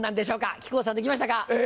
木久扇さんできましたか？